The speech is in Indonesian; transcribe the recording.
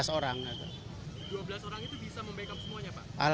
bisa membackup semuanya pak